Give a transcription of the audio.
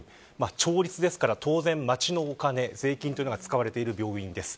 町立ですから、当然町のお金税金が使われている病院です。